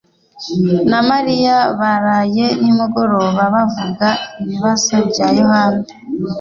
na Mariya baraye nimugoroba bavuga ibibazo bya Yohana